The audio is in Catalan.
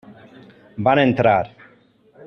Van entrar.